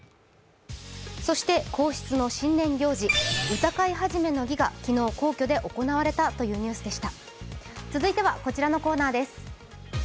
皇室の新年行事、歌会始の儀が昨日、皇居で行われたというニュースでした。